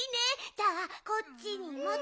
じゃあこっちにもっと。